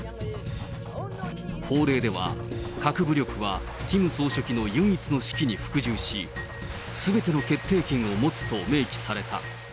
法令では、核武力はキム総書記の唯一の指揮に服従し、すべての決定権を持つと明記された。